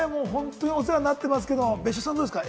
本当にお世話になってますけれども、別所さん、どうですか？